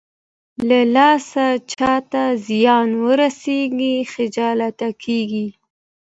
له لاسه چاته زيان ورسېږي خجالته کېږي.